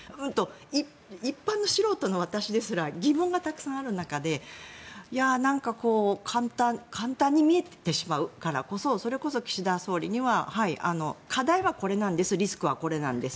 一般の素人の私ですら疑問がたくさんある中でなんか簡単に見えてしまうからこそそれこそ岸田総理には課題はこれなんですリスクはこれなんです